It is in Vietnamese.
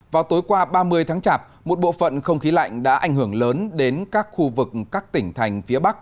vào tối qua ba mươi tháng chạp một bộ phận không khí lạnh đã ảnh hưởng lớn đến các khu vực các tỉnh thành phía bắc